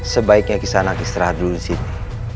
sebaiknya kisana kisrah dulu disini